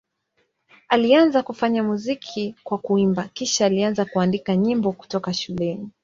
Alianza kufanya muziki kwa kuimba, kisha alianza kuandika nyimbo kutoka shuleni.